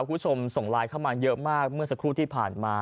คุณผู้ชมส่งไลน์เข้ามาเยอะมากเมื่อสักครู่ที่ผ่านมา